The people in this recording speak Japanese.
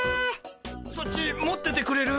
そっち持っててくれる？